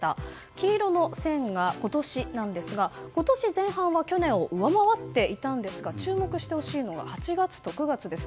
黄色の線が今年なんですが今年前半は去年を上回っていたんですが注目してほしいのが８月と９月です。